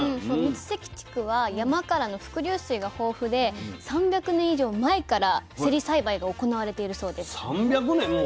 三関地区は山からの伏流水が豊富で３００年以上前からせり栽培が行われているそうです。